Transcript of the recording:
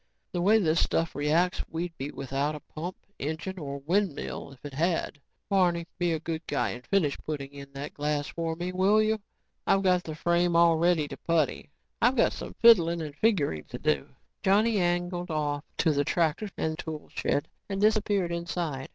"The way this stuff reacts, we'd be without a pump, engine, or windmill if it had. "Barney, be a good guy and finish putting in that glass for me will you? I've got the frame all ready to putty. I've got me some fiddlin' and figurin' to do." Johnny angled off to the tractor and tool shed and disappeared inside.